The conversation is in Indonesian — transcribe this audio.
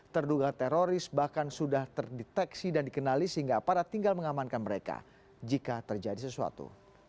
terduga teroris bahkan sudah terdeteksi dan dikenali sehingga aparat tinggal mengamankan mereka jika terjadi sesuatu